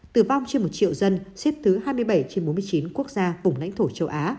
tử vong trên một triệu dân xếp thứ hai mươi bảy trên bốn mươi chín quốc gia vùng lãnh thổ châu á